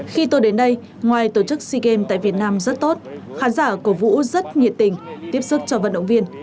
khi tôi đến đây ngoài tổ chức sea games tại việt nam rất tốt khán giả cổ vũ rất nhiệt tình tiếp sức cho vận động viên